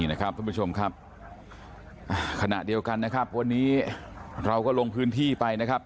ท่านผู้ชมครับขณะเดียวกันนะครับวันนี้เราก็ลงพื้นที่ไปนะครับ